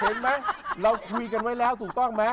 เห็นไหมเราคุยกันไว้แล้วถูกต้องไหม